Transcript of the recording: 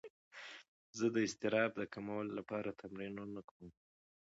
زه د اضطراب د کمولو لپاره تمرینونه کوم.